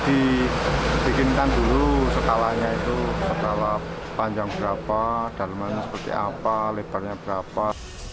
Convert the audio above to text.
dibikinkan dulu skalanya itu skala panjang berapa darmanya seperti apa lebarnya berapa